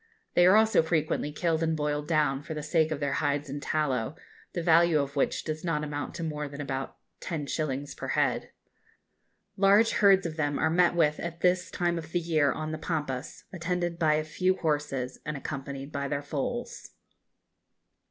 They are also frequently killed and boiled down, for the sake of their hides and tallow, the value of which does not amount to more than about 10_s_. per head. Large herds of them are met with at this time of the year on the Pampas, attended by a few horses, and accompanied by their foals.